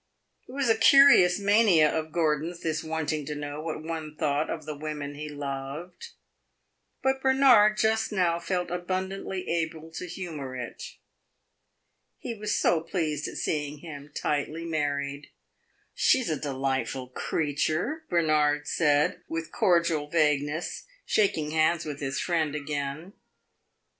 It was a curious mania of Gordon's, this wanting to know what one thought of the women he loved; but Bernard just now felt abundantly able to humor it. He was so pleased at seeing him tightly married. "She 's a delightful creature," Bernard said, with cordial vagueness, shaking hands with his friend again.